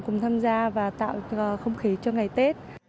cùng tham gia và tạo không khí cho ngày tết